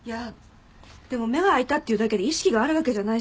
でも目が開いたっていうだけで意識があるわけじゃないし。